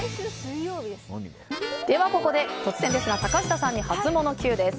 では、ここで突然ですが坂下さんにハツモノＱです。